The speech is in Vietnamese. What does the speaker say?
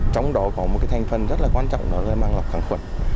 trong đó có một cái thành phần rất là quan trọng đó là mạng lọc kháng khuẩn